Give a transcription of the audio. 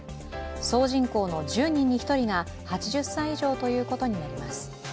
総人口の１０人に１人が８０歳以上ということになります。